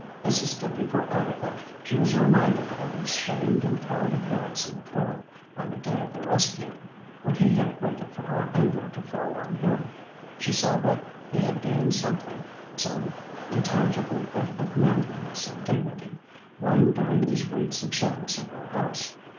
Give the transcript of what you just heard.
As he stood before Agatha, she was reminded of his shamed and cowed appearance in the cove, on the day of their rescue, when he had waited for her anger to fall on him. She saw that he had gained something, some intangible bit of manliness and dignity, won during these weeks of service in her house.